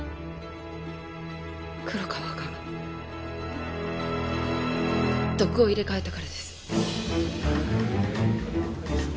黒川が毒を入れ替えたからです